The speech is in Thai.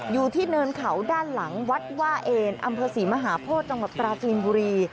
อยู่ที่เนินเขาด้านหลังวัดว่าเอญอัมพศิมหาโภชฯจังหวัดปราฟินบุรี